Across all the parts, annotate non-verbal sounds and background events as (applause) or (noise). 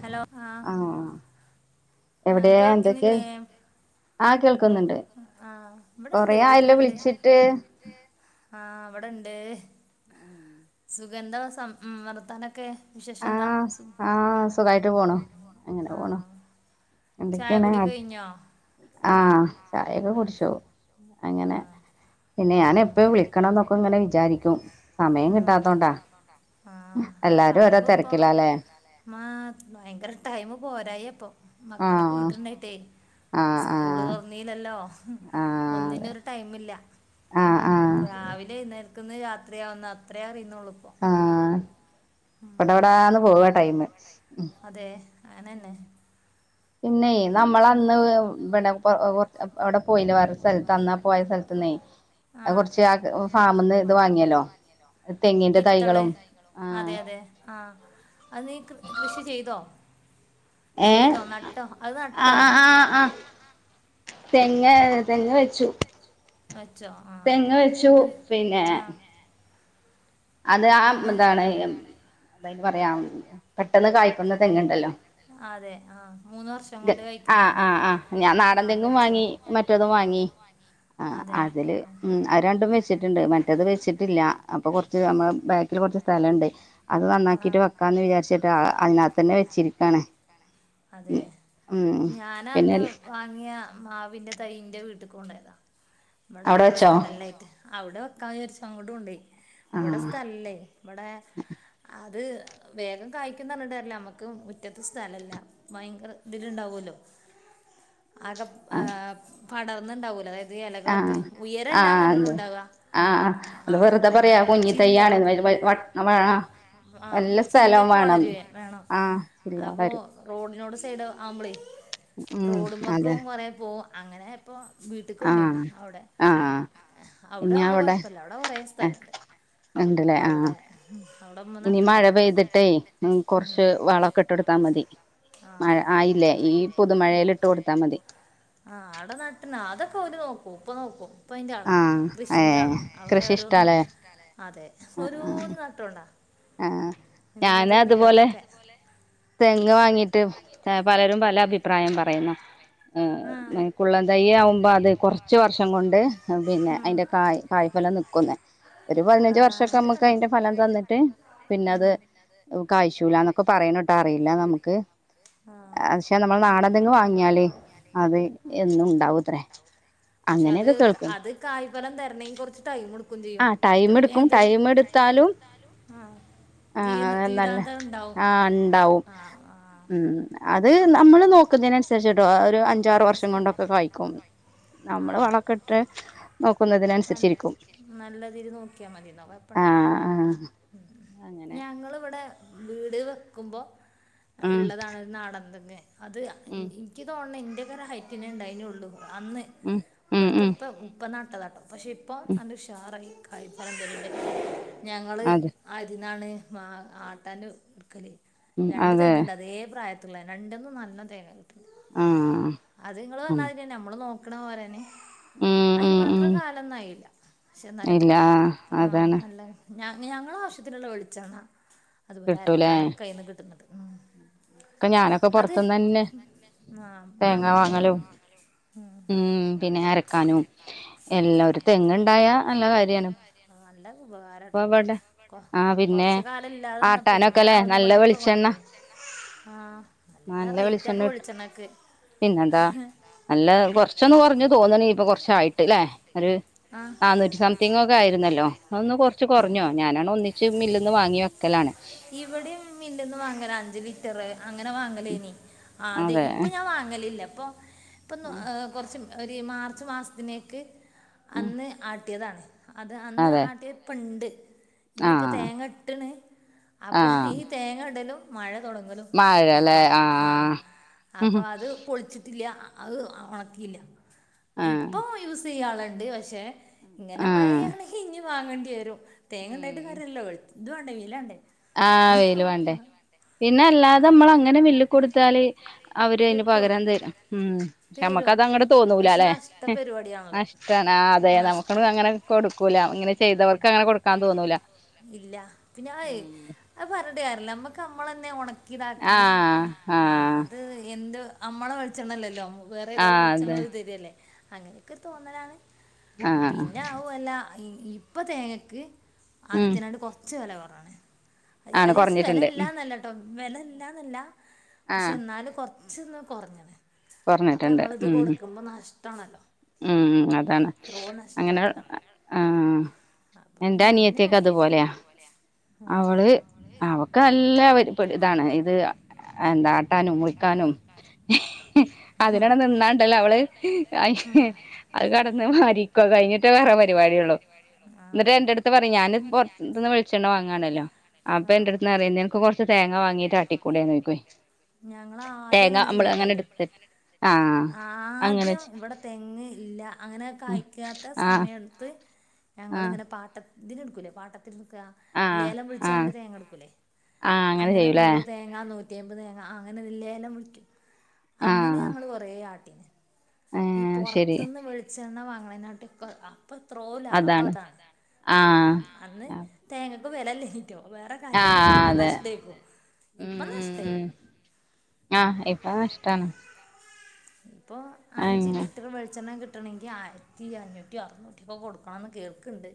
Hello ആഹ് എവിടെയാ എന്തൊക്കെ കേൾക്കുന്നുണ്ട് കൊറേയല്ലോ വിളിച്ചിട്ട് ആഹ് ഇവിടെണ്ട് ആഹ് സുഗന്ധ സ വർത്താനൊക്കെ വിശേഷംന്താ സുഖ ട്ട് പോണു അങ്ങനെ പോണോ എന്തൊക്കെയാണ് ആഹ് ചായയൊക്കെ കുടിച്ചു അങ്ങനെ പിന്നെ ഞാന എപ്പ വിളിക്ക ക്കണം എന്നൊക്കെ ഇങ്ങനെ വിചാരിക്കും സമയം കിട്ടാത്തോണ്ടാ എല്ലാരും ഓരാ തിരക്ക മാ ഭയങ്കര ടൈമ് പോരായി ഇപ്പൊ മക്കളൊക്കെ വീട്ടുണ്ടായിട്ടെ സ്കൂള് തുറന്നീലല്ലോ ഒന്നിന ഒരു ടൈമ ഇല്ല രാവിലെ വെള്ക്ക്ന്ന് രാത്രിയാവുന്ന അത്രേ അറിന്നുള്ളൂ ഇവിടെ എവിടന്ന് പോ പോവാ ടൈമ് അതെ ഉം പിന്നേയ് നമ്മളന്ന് ഇവിടെ കൊറ അവിടെ പോയില്ല. വേറ സ്ഥലത്ത്, അന്നാ പോയ സ്ഥലത്ത്ന്നേ ആഹ്. വിത്തള് അതെ അതെ. ആഹ്. അത് നീ കൃഷി ചെയ്തോ? ചെയ്തോ നട്ടോ? അത് നട്ടോ? തെങ്ങ്, തെങ്ങ് വെച്ചു. വെച്ചോ? ആ ആ അത് ആ ഇതാണ് എന്തായാലും പറയാം പ പെട്ടെന്ന് കായ്ക്കുന്ന തെങ്ങുണ്ടല്ലോ? ആ ആ ആ ഞാൻ നാടൻ തെങ്ങും വാങ്ങി മറ്റതും വാങ്ങി. ആ അതില് ഉം. അത് രണ്ടും വെച്ചിട്ട്ണ്ട്. മറ്റത് വെച്ചിട്ടില്ല. അപ്പൊ കൊറച് ച്ച് നമ്മള ബാക്കില് കൊറച്ച് സ്ഥലണ്ടേ ആ. അതേ? ഞാനന്ന് വാങ്ങിയ മാവിന്റെ തൈ ഇന്റെ വീട്ട്ത് കൊണ്ടോയതാ ഇവടെ വെക്കാൻ സ്ഥലല്ലായിട്ട്. അവിടെ വെക്കാന്നിചാരിച്ച് അങ്ങട്ട് കൊണ്ടോയി. ഇവിടെ സ്ഥലല്ലേ. ഇവിടെ അത് വേഗം കായ്ക്കുന്നറഞ്ഞിട്ടാര്യല്ല. നമ്മക്ക് മുറ്റത്ത് സ്ഥലല്ല. ഭയങ്കര ഇതില്ണ്ടാവല്ലോ? അകം ആഹ് പടർന്നുണ്ടാവുലെ അതായ ആഹ് ആഹ് ആ അതെ. ആഹ് ആഹ് അത് വെറുതെ പറയാ കുഞ്ഞി തയ്യാണെന്ന്. ‌ അയില് വട്ട് ആ ആ ചില്ലൊക്കെ വളര്വെ വേണം. അപ്പോ റോഡ് ഡിനോട് സൈഡ് ആവുമ്പളെ റോഡ്മ്മക്കും കുറേ പോ അങ്ങനെ അപ്പോ വീട്ടിൽക്ക് കൊണ്ടേയ്ന് അവിടെ. അവിടെ ആവുമ്പോ കൊഴപ്പില്ല. അവിടെ കൊറേ സ്ഥലണ്ട്. അപ്പ അവിടെ ഇനി മഴ പെയ്തിട്ടേയ്, ഉം കൊറച്ച് വളൊക്കെ ഇട്ട് കൊടുത്താ മതി. മഴ ആയില്ലേ ഈ പുതുമഴേല് ഇട്ട് കൊടുത്താ മതി. അതൊക്കെ ഓരു നോക്കും. ഉപ്പ നോക്കും ആഹ് ഏഹ്. കൃഷി ഇഷ്ട്ടാലേ? അതെ. ഓരോന്നു നട്ടോണ്ടാ. ആഹഹ് ഞാനതുപോലെ ചെയ് ങ്ങ് വാങ്ങീട്ട് പലരും പല അഭിപ്രായം പറയുന്നു. ഏഹ് കുള്ളൻ തൈ ആവുമ്പോ അത് കൊറച്ച് വർഷം കൊണ്ട് പിന്നെ അയിന്റെ കായ് കായ്ഫലം നിക്കുന്ന്‌. ഒരു പതിനഞ്ചു വർഷൊക്കെ നമ്മക്ക് അയിന്റെ ഫലം തന്നിട്ട് പിന്നെത് കാഴ്ചൂല ന്നൊക്കെ പറയണ് ട്ടൊ അറിയില്ല നമ്മുക്ക് ക്ഷെ നമ്മൾ നാടന്തങ്ങു വാങ്ങിയാല് അത് എന്നും ഉണ്ടാവൂത്രേ അങ്ങനെയൊക്കെ കേൾക്ക.... ക്കുന്തിയും മറ്റ ഇമ്മെടുക്കും ടൈമെടുത്താലും ആ നല്ല ആ ണ്ടാവും ഉം അ അത് നമ്മള് നോക്കുന്നതിനനുസരിച്ചിട്ടോ അ അഹ് ഒരു അഞ്ചാറ് വർഷം കൊണ്ടൊക്കെ കായ്ക്കും നമ്മള് വളക്കിട്ട് നോക്കുന്നതിനനുസരിച്ചിരിക്കും ഞങ്ങളിവിടെ വീട് വെക്കുമ്പോ ഇള്ളതാണ് (unintelligible) വെ അത് അ ൻക്ക് തോൺണെൻ ഇതൊരെ ഹൈറ്റിനെ ണ്ടായിഞ്ഞുള്ളു അന്ന് ഇവിടുത്തെ ഇപ്പ (unintelligible) (unintelligible) പക്ഷെ ഇപ്പ ആണ്ട് ഉഷാറായിക്ക (inaudible) ഞങ്ങള് ആരുന്നാണ് (unintelligible) രണ്ട് തെങ്ങുണ്ട് അതേ പ്രായത് ത്ള്ളെ രണ്ട്ന്നും നല്ലം തേങ്ങ കിട്ട് ആഹ് അത് ങ്ങള് വർഞാതിരിന്നെ നമ്മള് നോക് (unintelligible) അയിന് മാത്രം കാലൊന്നായില്ല പക്ഷെ ന്നാലും ഹാ നല്ല ഞ ഞങ്ങള ആവശ്യത്തിനുള്ള വെളിച്ചെണ്ണ അതുപോലെ അരക്കാനൊക്കെ അയിന്ന് കിട്ടുന്നുണ്ട് ക്ക ഞാനൊക്കെ പൊർത്ത്ന്നന്നേ തേങ് (unintelligible) വാങ്ങലോ ഉം പിന്നെ അരക്കാനും എല്ലാ ഒരു തെങ്ങ് ണ്ടായാ നല്ല കാര്യാണ് പ്പൊ അവടെ ആപിന്നെ ആട്ടാനും ഒക്കെല്ലെ നല്ല വെളിച്ചെണ്ണ നല്ല വിളിച്ചെണ്ണ കിട്ടും പിന്നെന്താ നല്ല കോരിച്ചൊന്നു കൊർഞ് തോന്ന്ണ് ഇപ്പ കൊറച്ചായിട്ട്ല്ലെ ഒരു നന്നൂറ്റി സംതിങ് ഒക്കെ ആയിരുന്നല്ലോ അതൊന്ന് കൊർച്ച് കൊർഞ്ഞോ ഞാനാണ് ഒന്നിച്ച് മില്ല് ന്ന് വാങ്ങി ഇവിടെയും മില്ലിന്ന് വാങ്ങാല അഞ്ച് ലിറ്ററ് അങ്ങനെ വാങ്ങലേനി ആ അതെ ഇപ്പൊ ഞാൻ വാങ്ങലില്ല പ്പോ ഇപ്പന്നോ ഏ കൊർച് മ് ഒരു മാർച്ച് മാസത്തിനേക്ക് അന്ന് അ കിട്ടിയതാണ് അത് അന്ന് ആട്ടിപ്പണ്ട് ഇനിയിപ്പൊ തേങ്ങ ഇട്ട്ണ് അപ്പൊ ഈ തേങ്ങ കടലോ മഴ തുടലും ഒപ്പാ ആഹ അപ്പൊ അത് പൊളിച്ചിട്ടില്ല അത് ഉണക്കിയില്ല ഇപ്പൊ യൂസ് യ്യള (unintelligible) പക്ഷേ ഇങ്ങനെ മഴ (unintelligible) വാങ്ങേണ്ടി വരും തേങ്ങ ഉണ്ടായിട്ട് കാര്ുന്നല്ലോ വെ (unintelligible) ആ വെൽ വണ്ടേ പിന്നെ അല്ലാതെ നമ്മള അങ്ങനെ വില്ല് കൊടുത്താല് അവര് അതിന് പകരാം തരും ഉം നമ്മക്ക് അത് അങ്ങട്ടെ തോന്നൂല അല്ലെ നഷ്ട അതെ നമുക്ക അങ്ങനെ കൊടുക്കൂല ഇങ്ങനെ ചെയ്തവർക്ക് അങ്ങനെ കൊടുക്കാൻ തോന്നൂല അത് പറഞ്ഞിട്ട് ര്യല്ല നമ്മക്ക് നമ്മള തന്നെണ ഇതാക്കി ആ അത് എന്ത് അമ്മളെള ച്ചെണ്ണല്ലോ വേറെ ഏതോ വെളിച്ചണ്ണ ഒര് തരല്ലേ അങ്ങനെയൊക്കെ തോന്നലാണ് പിന്നെ ആവുല്ല ഇപ്പൊ തേങ്ങക്ക് ആദ്യത്തിനട് കൊറച്ചു വിലവാ അത് ച്ച് വില ഇല്ലാ നല്ലാട്ടോ വില ഇല്ലാന്നല്ല പക്ഷെ എന്നാലും കൊറ കുച്ച കുറഞ്ഞണ പറഞ്ഞിട്ടുണ്ട് ഉ ഉ അതാണ് അങ്ങനെ ആ എന്റെ അനിയത്തക്കെ അതുപോലെയാ അവള് അവക്ക് നല്ലരി ഇതാണ് ഇത് എന്താട്ടാനും മുളിക്കാനും അതിനാണ് നിന്നാണ്ടല്ലോ അവള് അത് കടന്ന് മാ ഒക്കെ കഴിഞ്ഞിട്ട് ട്ടേ വേറെ പരിപാടിയള്ളു എന്നിട്ട് എന്റെടുത്ത് പറയും ഞാന് പുറത്തന്ന് വെളിച്ചെണ്ണ വാങ്ങാണല്ലോ അപ്പൊ എന്റെ അടുത്ത്ന്ന് അറിയ എനക്ക് കൊറച്ച് തേങ്ങ വാങ്ങീട്ട് ആട്ടിക്കൂടെ നോക്കോ തേങ്ങ നമ്മള് അങ്ങനെ എ ആദ്യം ഇവിടെ തെങ്ങ് ഇല്ല അങ്ങനെ കായ്ക്കാത്ത സ് സമയെടുത്ത് ഞങ്ങളിങ്ങനെ പാട്ട തിന് ടു കൂലെ പാട്ടത്തി ലേലം വിളിച്ചാണ്ട് തേങ്ങ എടുക്കൂല്ലേ അങ്ങനെ നൂറ് തേങ്ങ നൂ (unintelligible) തേങ്ങ അങ്ങനെ ലേലംവിളിക്കും അങ്ങനെ ഞങ്ങൾ കൊറേ ആട്ടി ഈ പൊറത്ത്ന്ന് വെളിച്ച- എണ്ണ വാങ്ങ്ണേ നാട്ടി (unintelligible) ആ അപ്പം എത്രോ ലാഭം അതാണ് ഉ അന്ന് തേങ്ങ ഇപ്പം വില (unintelligible) വേറെ കാര്യം ഇപ്പ നഷ്ട്ടയായിരുന്നു ഇപ്പൊ നഷ്ടയായി (inaudible) ഇപ്പോ അഞ്ച് ലിറ്റർ വെളിച്ചെണ്ണ കിട്ടും കിട്ടണമെങ്കിൽ ആയിരത്തി അഞ്ഞു റ്റി അറുനൂറ്റി ഒക്കെ കൊടുക്കണന്ന് കേൾക്ക്ണ്ട്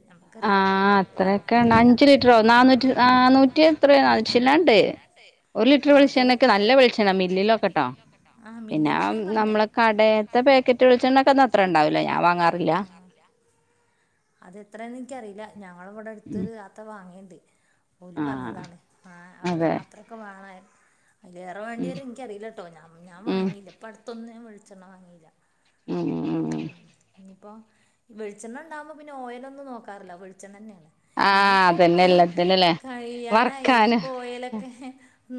ആ അത്രക്കെ ഉണ്ട് അഞ്ചു ലിറ്ററോ നാനൂറ്റി നാനൂറ്റി എത്രയാ നാന്നൂറ്റി ചില്ലാനണ്ട് ഒരു ലിറ്റർ വെളിച്ചെണ്ണക്കെ നല്ല വെളിച്ചെണ്ണ മില്ലിലോക്കെ ഇട്ടോ പിന്നെ നമ്മളെ കടയത്തെ പാക്കറ്റ് വെളിച്ചെണ്ണക്കെന്നും അത്ര ഉണ്ടാവില്ല ഞാൻ വാങ്ങാറില്ല അത് എത്രയെന്ന് ഇക്കറിയില്ല ഞങ്ങളെ ഇവിടെ അടുത്തൊരു താത്ത വാങ്ങേണ്ട് ഓല് പറഞ്ഞതാണ് ആ അപ്പൊ അത്രക്കെ വേണം അയ്ലേറെ വേണ്ട്യരു ൻക്ക് അറിയില്ലട്ടോ ഞാ ഞാൻവാങ്ങീല്ല പ്പ അടുത്തൊന്ന് നും വെളിച്ചെണ്ണ വാങ്ങിയില്ല ഉം ഉം ഉം പ്പൊ വെൾച്ചെണ്ണ ണ്ടാഉമ്പോ പിന്നെ ഓയലൊന്നും നോക്കാറില്ല വെളിച്ചെണ്ണന്നേണ് ഇനിപ്പോ കഴിയാനായി ഇനി ഒയലൊക്കെ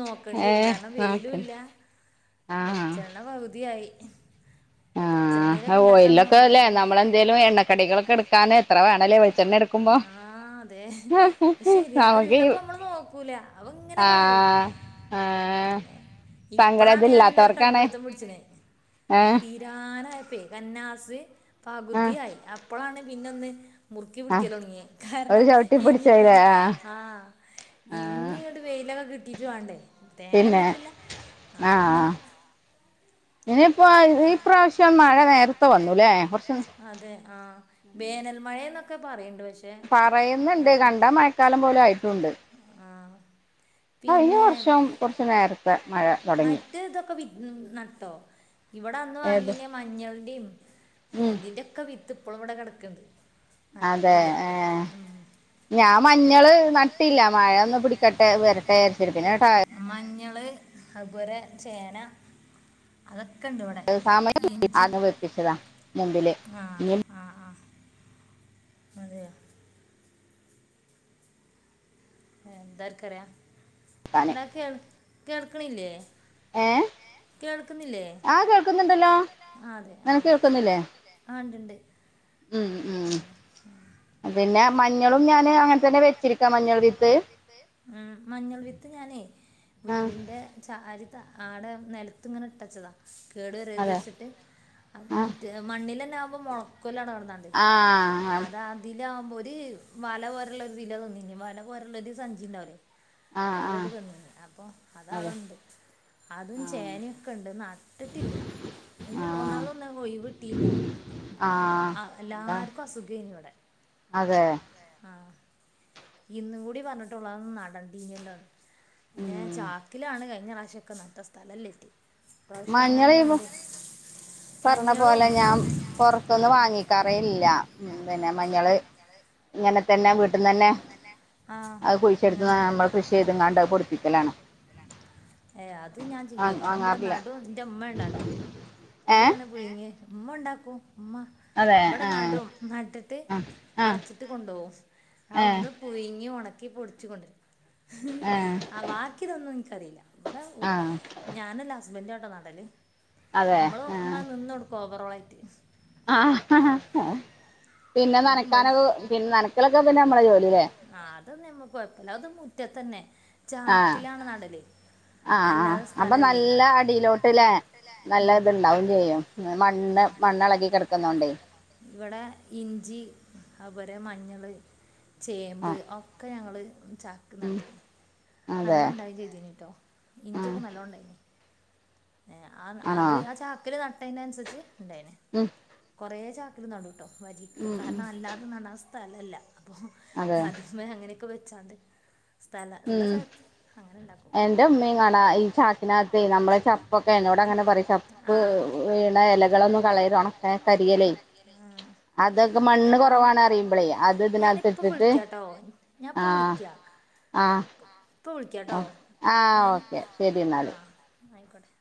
നോക്കണ്ടി വരുംകാരണം വെയിലും ഇല്ല വെളിച്ചെണ്ണ പകുതിയായി വെളിച്ചെണ്ണയിലൊക്കെ ഉണ്ടാക്കാന്നാ ഭയങ്കരം ആ അതെ ശെരി ഇള്ളപ്പംനമ്മൾ നോ ക്കൂലാ അവങ്ങനെ പാരും ഇപ്പളാണ് ഞാൻന്ന് കണ്ട്പിടുത്തം പിടിച്ചനെ തീരാനായപ്പേ കന്നാസ് പകുതിയായി അപ്പളാണ് പിന്നന്ന് മുറുക്കി പിടിക്കലൊടങ്ങി കാരണം ഇഞ്ഞപ്പോ ആ ഇഞ്ഞിങ്ങട് വെയിലൊക്കെ കിട്ട ച്ച് വാണ്ടേ തേങ്ങല്ലിട്ടില്ല അപ്പൊ ഇങ്ങനെ ഇപ്പ ഈപാവശ്യം മഴ നേരത്തെ വന്നൂല്ലേ കുറച്ച എന്നൊക്കെ പറയും പറയുന്നുണ്ട് കണ്ടാ മഴക്കാലം പോലെ ആയിട്ടുംണ്ട് ആ ഈ വർഷം കുറച്ച നേരത്തെ മറ്റതൊക്കെ വി ഉം നട്ടോ ഇവിടെ അന്ന് വാങ്ങീന മഞ്ഞൾന്റിം ഇതിന്റൊക്കെ വിത്ത് ഇപ്പളും ഇവിടെ കിടക്ക്ണ്ട് അതെ ഏ ഞാൻ മഞ്ഞള് നട്ടില്ല മഴ ഒന്ന് പിടിക്കട്ടെ വെര (unintelligible) മഞ്ഞള് അത് ഇവടെ ചേന അതൊ ക്കണ്ട് ഇവിടെ ഇഞ്ചി ആഹ ആഹ ആ അതെ എന്താർക്കറിയാ എടാ കേൾ കേൾക്കണില്ലേ ഏഹ് കേൾക്കുന്നില്ലേ ആഹ് കേൾക്കുന്നുണ്ടല്ലോ അതെ ആ ശെരി നിനക്ക് കേൾക്കുന്നില്ലേ ആഹ് ഇണ്ടിണ്ട്. ഉം ഉം പിന്നെ ഉ മഞ്ഞൾ വിത്ത് ഞാനേ വീടിന്റെ ചാരി ആടെ നെലത്ത് ഇങ്ങനെ ഇട്ടച്ചതാ കേട് വരത് വെച്ചിട്ട് റ്റ് മണ്ണിലെന്നെ (unintelligible) കൊല്ലണട്ന്നാണ്ട് അതാന്ദി (unintelligible) മാല പോരുള്ള ഒരുതില്ല തോന്നി മാല പോരള്ള സഞ്ചിണ്ടരെ അലൊട്ട തന്നന്ന് അപ്പൊ അത അവിടെണ്ട് അതും ചേനൊക്കെ ഉണ്ട് നട്ടിട്ടില്ല അതി ഒന്നാമത ഒന്ന ഒഴ വെട്ടിയില്ല എല്ലാർക്കും അസുഖേനി ഇവിടെ ആഹ ഇന്ന കൂടി പറഞ്ഞിട്ടുള്ളതൊും നടണ്ടീഞ്ഞല്ലോ പിന്നെ ചാക്കിലാണ് ക അഞ്ഞറാവശക്കുന്നന്നത്തെ സ്ഥലല്ലെത്തി മഞ്ഞൾ പറണ പോലെ ഞാൻ പുൊറത്തൊന്നും വാങ്ങിക്കാറ ഇല്ല പിന്നെ മഞ്ഞള് ഇങ്ങനെ തന്നെ വീട്ടന്ന് തന്നെ അത് കുഴിച്ചെടുത്ത് നമ്മൾ കൃഷി ചെയ്ത കാണ്ട് പൊടിിപ്പിക്കലാണ് വാങ്ങാറില്ല മ്മ ഉണ്ട അമ്മയാണ് ഉമ്മ ഉണ്ടാക്കൂ ഉമ്മ ഇവിടെ നും നട്ടിട്ട് കളച്ചിട്ട് കൊണ്ടുപോകവും അവിടുന്ന് കുഞ്ഞി ഉണക്കിച്ചുണ്ടിരുന്നു ആ ബാക്കിതൊന്നും ക്കറിയില്ല ഇവിടെ ഞാനല്ല ഹസ്ബൻഡ് ആട്ട നാടല്ലേ ഞമ്മള് അങ്ങ നിന്ന കൊടുക്കുവ കുറവായിട്ട് ആഹ പിന്നെ നനക്കാനൊെ പിന്നെ നനക്കലൊക്കെ പിന്നെ നമ്മള ജോലില്ലെ അമ്മ പോയപ്പല അത് മുറ്റത്തന്നെ ആഹ ആഹ ആ അപ്പൊ നല്ല അടിയിലോട്ടില്ലേ നല്ല ഇത്ണ്ടാവും ചെയ്യും മണ്ണ് മണ്ണിളകി കിടക്കുന്നോണ്ടേ ഇഞ്ചി അതുപോലെ മഞ്ഞൾ ചേമ്പ് ഒക്കെ ഞങ്ങൾ ചാക്ക്നട്ടൻ നല്ല ഉണ്ടായി ചെയ്തീനട്ടോ ഇഞ്ചിയൊക്കെ നല്ലതോണ്ടായിന ഏ ആ അത് ആ ചാക്കില് ന ഫൈനാൻസ് വെച്ച് ഇണ്ടായി ഉം കൊറേ ചാക്കില് നടും കേട്ടോ വരിക്ക കാരണം അല്ലാതെ നടാൻ സ സ്ഥലല്ല അപ്പോ മതില് മ്മേ അങ്ങനെ വെച്ചാണ്ട് ഉം എന്റെ ഉമ്മയും കാണാ ഈ ചാക്കിനകത്തെ നമ്മളെ ച പ്പൊക്കെ എന്നോട് അങ്ങനെ പറയും ചപ്പ് വീണ ഇലകളൊന്നും കളയരുത് ഒണക്ക കരിയലേ അതൊക്കെ മണ്ണ് കുറവാണ് അറിയുമ്പളേ അത് ഇതിനകത്തിട്ടിട്ട് ആഹ്. ആഹ് ആഹ് ഓക്കെ ശരി എന്നാല് ആയിക്കോട്ടെ.